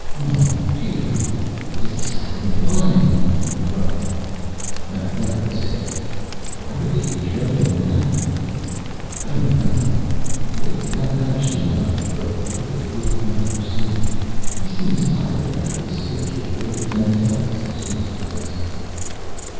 "Mon Dieu, it is the sacrament wine!" he cried. Mapfarity said, "Why would they be drinking that?" "I don't know. Wake Mapfabvisheen up, but let the good father sleep. He seems tired after his spiritual labors and doubtless deserves a rest."